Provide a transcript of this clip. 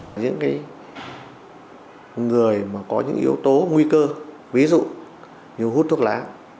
những cái người mà có những yếu tố nguy cơ ví dụ như hút thuốc lá